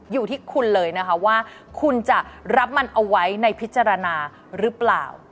อยู่ที่คุณเลยนะคะว่าคุณจะรับมันเอาไว้ในพิจารณาหรือเปล่า